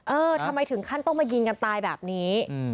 เออทำไมถึงขั้นต้องมายิงกันตายแบบนี้